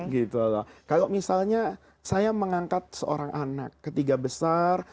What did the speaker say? kalau misalnya saya mengangkat seorang anak ketiga besar